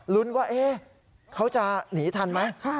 รุ้นว่าเขาจะหนีทันไหม